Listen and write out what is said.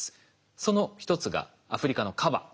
その一つがアフリカのカバ。